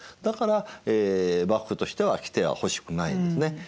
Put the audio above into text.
だから幕府としては来てはほしくないんですね。